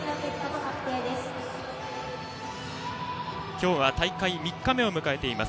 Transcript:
今日は大会３日目を迎えています。